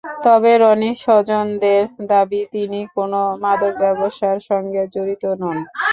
তবে রনির স্বজনদের দাবি, তিনি কোনো মাদক ব্যবসার সঙ্গে জড়িত নন।